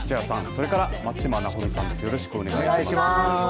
それから松嶋尚美さんです。